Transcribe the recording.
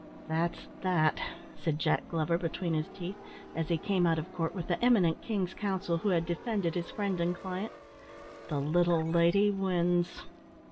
"That's that," said Jack Glover between his teeth, as he came out of court with the eminent King's Counsel who had defended his friend and client, "the little lady wins."